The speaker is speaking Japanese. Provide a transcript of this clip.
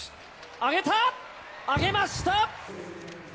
あげました！